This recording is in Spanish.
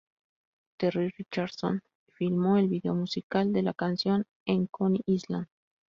Terry Richardson filmó el vídeo musical de la canción en Coney Island.